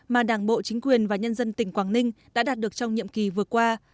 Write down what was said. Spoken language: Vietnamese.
mà đảng bộ chính quyền và nhân dân tỉnh quảng ninh đã đạt được trong nhiệm kỳ vừa qua